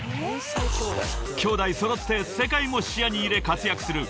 ［兄弟揃って世界も視野に入れ活躍する］